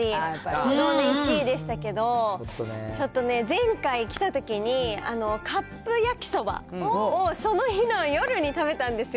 不動で１位でしたけど、ちょっとね、前回来たときに、カップ焼きそばをその日の夜に食べたんですよ。